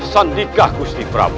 sendikah gusti prabu